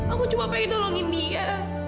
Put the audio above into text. aku cuma pengen nolongin dia